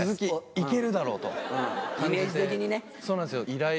イメージ的にね。